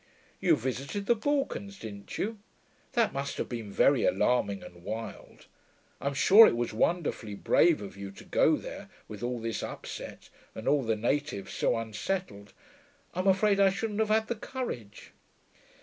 'You visited the Balkans, didn't you? That must have been very alarming and wild. I'm sure it was wonderfully brave of you to go there, with all this upset, and all the natives so unsettled. I'm afraid I shouldn't have had the courage.'